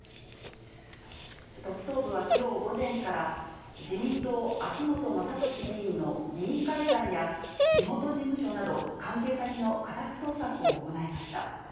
特捜部はきょう午前から、自民党、秋本真利議員の議員会館や地元事務所など、関係先の家宅捜索を行いました。